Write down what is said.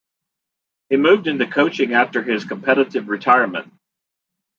He moved into coaching after his competitive retirement.